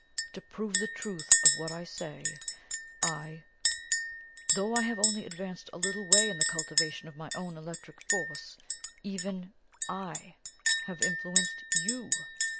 To prove the truth of what I say, I, though I have only advanced a little way in the cultivation of my own electric force, even I have influenced YOU.